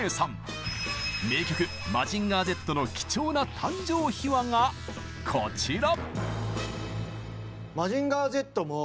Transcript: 名曲「マジンガーＺ」の貴重な誕生秘話がこちら！